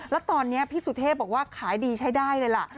แล้วตอนนี้พี่สุเทพบอกว่าขายดีใช้ได้เลยล่ะ